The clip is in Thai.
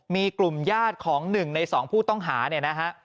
มีกลุ่มญาติของ๑ใน๒ผู้ต้องหาเนี่ยนะฮะ